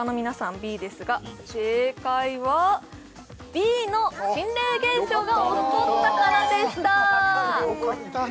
Ｂですが正解はＢの心霊現象が起こったからでしたあっよかったよかったね